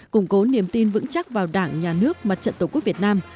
củng cố niềm tin vững chắc vào đảng nhà nước mặt trận tổ quốc việt nam